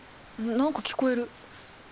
何か聞こえる。